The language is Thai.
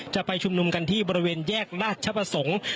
จะไปชุมนุมกันที่บริเวณแยกราชประสงค์